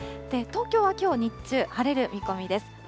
東京はきょう日中、晴れる見込みです。